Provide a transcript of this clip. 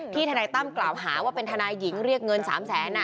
ทนายตั้มกล่าวหาว่าเป็นทนายหญิงเรียกเงิน๓แสน